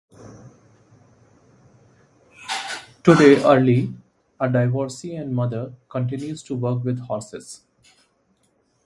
Today Early, a divorcee and mother, continues to work with horses.